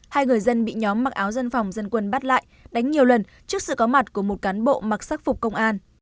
hai người dân bị nhóm mặc áo dân phòng dân quân bắt lại đánh nhiều lần trước sự có mặt của một cán bộ mặc sắc phục công an